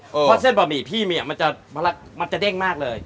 เพราะเส้นบะหมี่พี่มีมันจะเด้งมากเลย